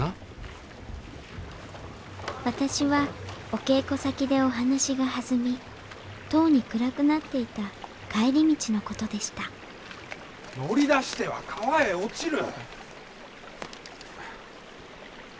私はお稽古先でお話がはずみとうに暗くなっていた帰り道のことでした乗り出しては川へ落ちる。